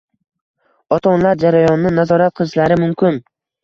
Ota-onalar jarayonni nazorat qilishlari mumkin.